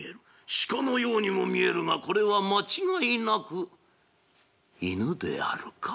鹿のようにも見えるがこれは間違いなく犬であるか」。